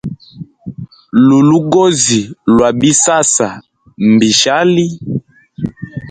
Lulugozi lwa bisasa mbishali.